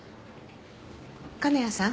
金谷さん